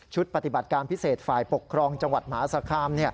ปฏิบัติการพิเศษฝ่ายปกครองจังหวัดมหาสคาม